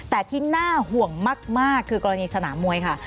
แต่ที่น่าห่วงมากคือกรณีสนามมวยค่ะ